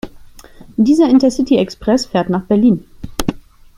Dieser Intercity-Express fährt nach Berlin.